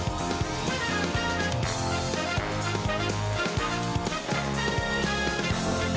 โปรดติดตามตอนต่อไป